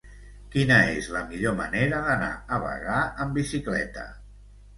Quina és la millor manera d'anar a Bagà amb bicicleta?